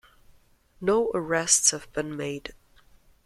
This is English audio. No arrests have been made.